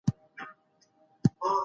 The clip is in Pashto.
باید د کارګرانو ژوند ته پام وسي.